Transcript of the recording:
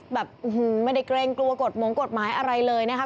แบบไม่ได้เกรงกลัวกฎหมงกฎหมายอะไรเลยนะคะ